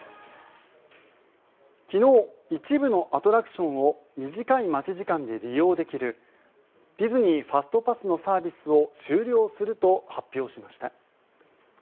昨日、一部のアトラクションを短い待ち時間で利用できるディズニー・ファストパスのサービスを終了すると発表しました。